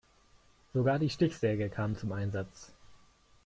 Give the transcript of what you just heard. Sogar die Stichsäge kam zum Einsatz.